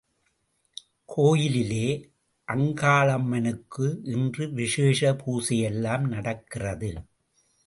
கோயிலிலே அங்காளம்மனுக்கு இன்று விசேஷப் பூஜையெல்லாம் நடக்கிறது.